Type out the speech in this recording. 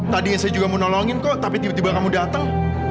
tadinya saya juga mau nolongin kok tapi tiba tiba kamu datang